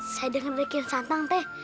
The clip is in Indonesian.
saya dengar dari kian santang teh